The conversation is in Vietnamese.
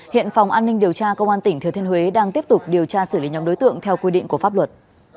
hiện phòng an ninh điều tra công an tỉnh thừa thiên huế đang tiếp tục điều tra xử lý nhóm đối tượng theo quy định của pháp luật